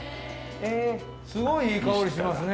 すごいいい香りしますね。